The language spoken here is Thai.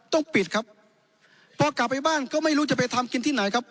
ต้องปิดครับพอกลับไปบ้านก็ไม่รู้จะไปทำกินที่ไหนครับ